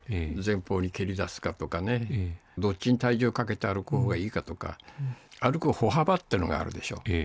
指の、どの指に力を入れて前方にけりだすかとかね、どっちに体重かけて歩くほうがいいかとか、歩く歩幅っていうのがあるでしょ。